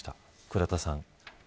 倉田さん。